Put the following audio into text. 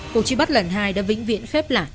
cuộc truy bắt lần hai đã vĩnh viễn khép lại